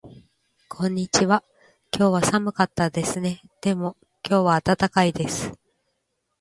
こんにちは。昨日は寒かったですね。でも今日は暖かいです。